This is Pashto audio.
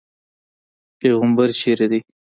پیغمبر چېرته دی.